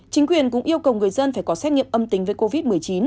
chính quyền cũng yêu cầu người dân phải có xét nghiệm âm tính với covid một mươi chín